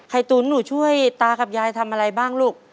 ตุ๋นหนูช่วยตากับยายทำอะไรบ้างลูก